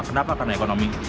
kenapa karena ekonomi